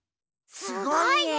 すごいね！